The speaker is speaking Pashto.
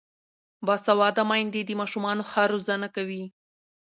باسواده میندې د ماشومانو ښه روزنه کوي.